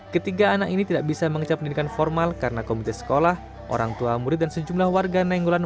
ketiga anak ini tidak bisa mengecap pendidikan formal karena komite sekolah orang tua murid dan sejumlah warga nainggolan